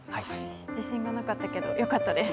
自信がなかったけどよかったです。